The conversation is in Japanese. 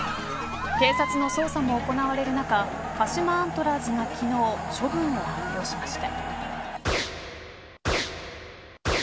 警察の捜査も行われる中鹿島アントラーズが昨日処分を発表しました。